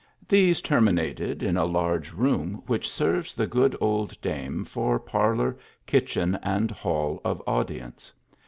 These terminated in a large room which serves the good old dame for parlour, kitchen, and hall of audience.